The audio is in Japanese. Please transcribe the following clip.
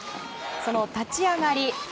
その立ち上がり。